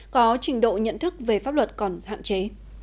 có trình độ nhận thức về pháp luật còn hạn chế